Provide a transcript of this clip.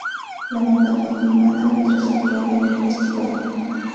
La banda fue filmada mientras actuaba en el festival.